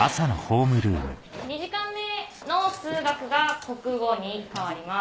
２時間目の数学が国語に変わります。